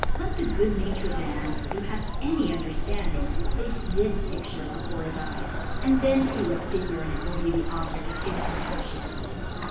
Let the good natured Man, who hath any .Underflanding, place this Pidure before his Eyes, and then fee what Figure in it will be the Objeft of his Gon> pa^on.